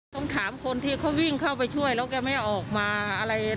ต้องถามคนที่เขาวิ่งเข้าไปช่วยแล้วแกไม่ออกมาอะไร